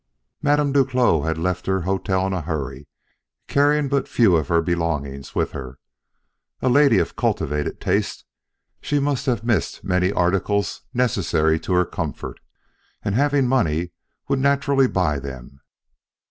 Madame Duclos had left her hotel in a hurry, carrying but few of her belongings with her. A lady of cultivated taste, she must have missed many articles necessary to her comfort; and having money would naturally buy them.